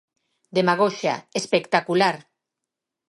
Demagoxia, ¡espectacular!